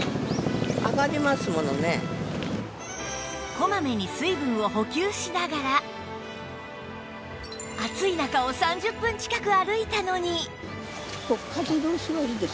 こまめに水分を補給しながら暑い中を３０分近く歩いたのに